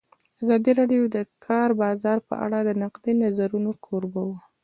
ازادي راډیو د د کار بازار په اړه د نقدي نظرونو کوربه وه.